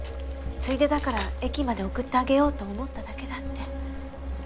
ついでだから駅まで送ってあげようと思っただけだって。